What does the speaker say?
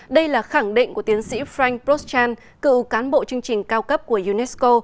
đây là khẳng định của tiến sĩ frank prostjan cựu cán bộ chương trình cao cấp của unesco